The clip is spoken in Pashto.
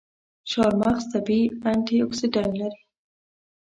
چارمغز طبیعي انټياکسیدان لري.